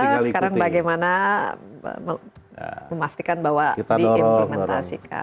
sekarang bagaimana memastikan bahwa diimplementasikan